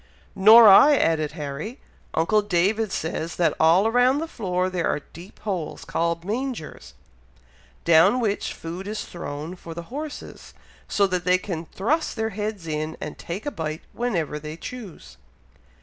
"Nor I!" added Harry. "Uncle David says, that all round the floor there are deep holes, called mangers, down which food is thrown for the horses, so that they can thrust their heads in, to take a bite, whenever they choose."